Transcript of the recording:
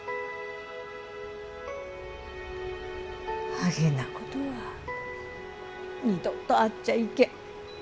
あげなことは二度とあっちゃいけん。